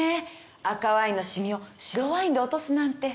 赤ワインのシミを白ワインで落とすなんて。